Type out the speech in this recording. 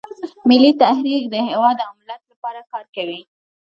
ملي تحریک د هیواد او ملت لپاره کار کوي